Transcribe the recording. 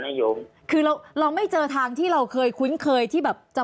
นิยมคือเราเราไม่เจอทางที่เราเคยคุ้นเคยที่แบบจะ